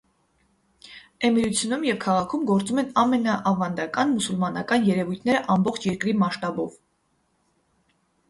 Էմիրությունում և քաղաքում գործում են ամենաավանդական մուսուլմանական երևույթները ամբողջ երկրի մասշտաբով։